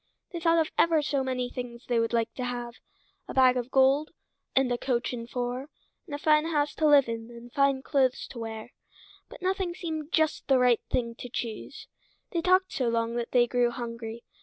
They thought of ever so many things they would like to have—a bag of gold, and a coach and four, and a fine house to live in, and fine clothes to wear, but nothing seemed just the right thing to choose. They talked so long that they grew hungry.